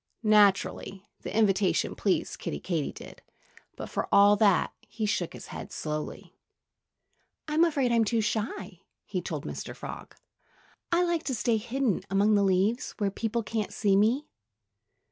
Naturally, the invitation pleased Kiddie Katydid. But for all that, he shook his head slowly. "I'm afraid I'm too shy," he told Mr. Frog. "I like to stay hidden among the leaves, where people can't see me."